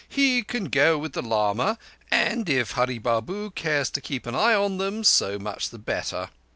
"He can go with the lama, and if Hurree Babu cares to keep an eye on them so much the better.